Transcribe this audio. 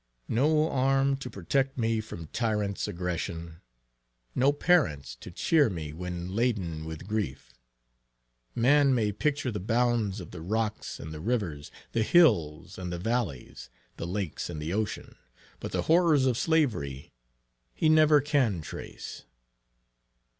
"No arm to protect me from tyrants aggression; No parents to cheer me when laden with grief. Man may picture the bounds of the rocks and the rivers, The hills and the valleys, the lakes and the ocean, But the horrors of slavery, he never can trace."